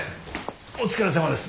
お疲れさまです。